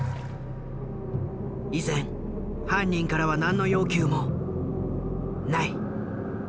依然犯人からは何の要求もない。